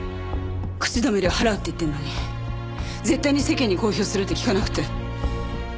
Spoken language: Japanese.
口止め料払うって言ってるのに絶対に世間に公表するって聞かなくて。